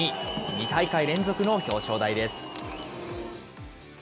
２大会連続の表彰台です。